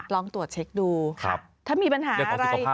ลองตรวจเช็คดูถ้ามีปัญหาอะไร